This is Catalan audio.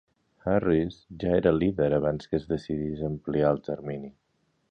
Harris ja era líder abans que es decidís ampliar el termini.